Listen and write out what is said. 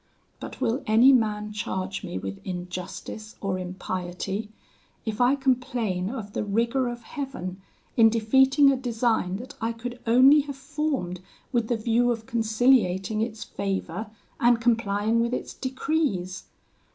But will any man charge me with injustice or impiety if I complain of the rigour of Heaven in defeating a design that I could only have formed with the view of conciliating its favour and complying with its decrees?